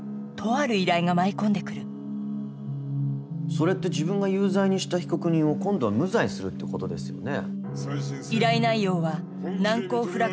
それって自分が有罪にした被告人を今度は無罪にするってことですよね？